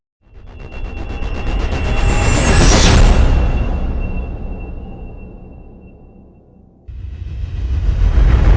terima kasih pak